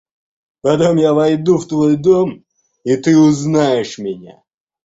Потом я войду в твой дом и ты узнаешь меня.